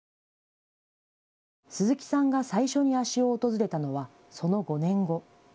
鈴木さんが最初に足尾を訪れたのはその５年後。